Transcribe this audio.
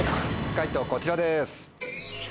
解答こちらです。